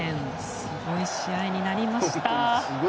すごい試合になりました。